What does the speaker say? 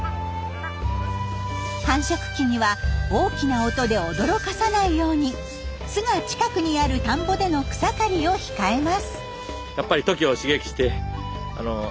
繁殖期には大きな音で驚かさないように巣が近くにある田んぼでの草刈りを控えます。